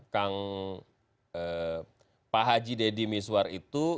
kang pak haji deddy miswar itu